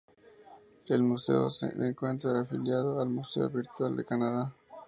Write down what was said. El museo de encuentra afiliado al Museo virtual de Canadá.